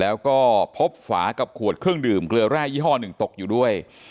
แล้วก็พบฝากับขวดเครื่องดื่มเกลือแร่ยี่ห้อหนึ่งตกอยู่ด้วย